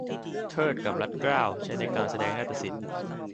เทริดกับรัดเกล้า ใช้ในการแสดงนาฎศิลป์